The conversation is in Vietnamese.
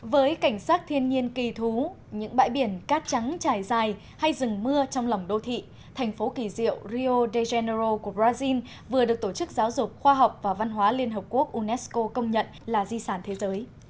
với cảnh sát thiên nhiên kỳ thú những bãi biển cát trắng trải dài hay rừng mưa trong lòng đô thị thành phố kỳ diệu rio dejeno của brazil vừa được tổ chức giáo dục khoa học và văn hóa liên hợp quốc unesco công nhận là di sản thế giới